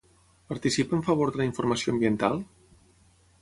Participa en favor de la informació ambiental?